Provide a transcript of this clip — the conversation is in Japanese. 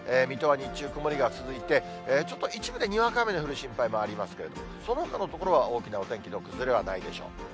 水戸は日中、曇りが続いて、ちょっと一部でにわか雨の降る心配もありますけれども、そのほかの所は大きなお天気の崩れはないでしょう。